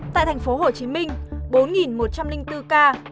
tại thành phố hồ chí minh bốn một trăm linh bốn ca